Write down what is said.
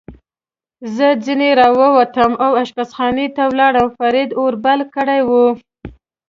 زه ځنې را ووتم او اشپزخانې ته ولاړم، فرید اور بل کړی و.